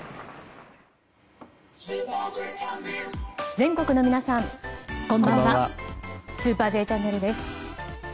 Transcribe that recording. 全国の皆さん、こんばんは「スーパーＪチャンネル」です。